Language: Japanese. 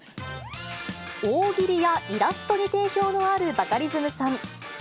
大喜利やイラストに定評のあるバカリズムさん。